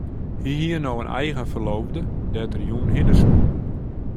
Hy hie no in eigen ferloofde dêr't er jûn hinne soe.